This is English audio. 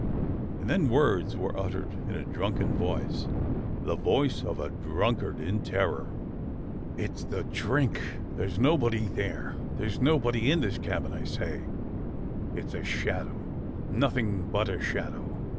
And then words were uttered in a drunken voice, the voice of a drunkard in terror. "It's the drink! There's nobody there, there's no body in this cabin, I say. It's a shadow, nothing but a shadow.